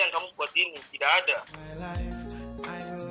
sama mama dimarahin